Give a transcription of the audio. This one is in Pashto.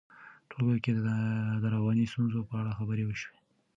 ټولګیو کې د رواني ستونزو په اړه خبرې وشي.